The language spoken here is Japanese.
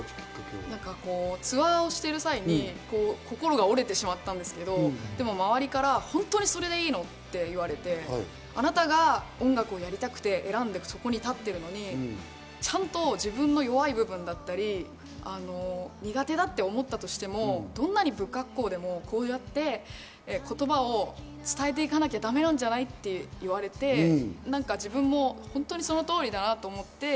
ツアーをしてる際に心が折れてしまったんですけど、周りから本当にそれでいいの？って言われて、あなたが音楽をやりたくて選んで、そこに立ってるのにちゃんと自分の弱い部分だったり苦手だって思ったとしても、どんなに不恰好でも、こうやって言葉を伝えていかなきゃだめなんじゃないって言われて、なんか自分も、本当にその通りだなと思って。